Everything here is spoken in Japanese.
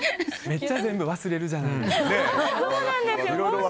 めっちゃ全部忘れるじゃないですか。